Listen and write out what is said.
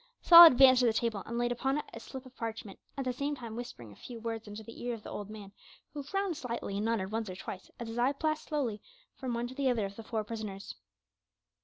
Saul advanced to the table and laid upon it a slip of parchment, at the same time whispering a few words into the ear of the old man, who frowned slightly and nodded once or twice as his eye passed slowly from one to the other of the four prisoners.